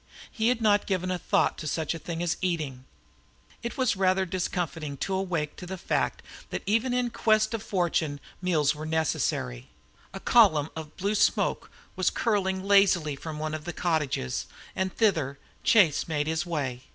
He had not given a thought to such a thing as eating. It was rather discomfiting to awaken to the fact that even in quest of fortune meals were necessary. A column of blue smoke was curling lazily from one of the cottages, and thither Chase made his way.